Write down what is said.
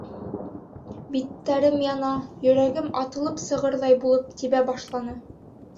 Биттәрем яна, йөрәгем атылып сығырҙай булып тибә башланы.